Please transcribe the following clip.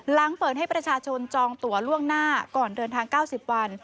หลังเปิดให้ประชาชนจองตัวล่วงหน้าก่อนเดินทาง๙๐วัน